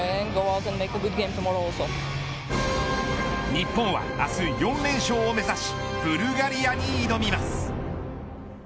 日本は明日、４連勝を目指しブルガリアに挑みます。